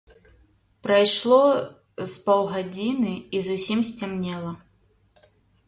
Прайшло з паўгадзiны, i зусiм сцямнела.